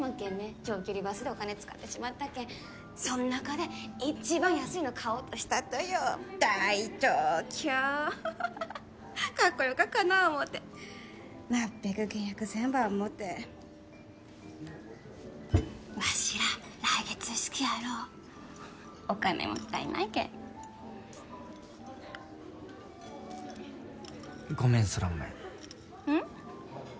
長距離バスでお金使ってしまったけんそん中で一番安いの買おうとしたとよ「大東京」カッコよかかな思うてなっべく倹約せんば思うてわしら来月式やろお金もったいないけんごめん空豆うん？